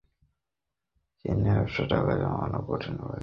তবে চীনে ব্যবসা করে টাকা কামানো আগের চেয়ে কঠিন হয়ে পড়েছে।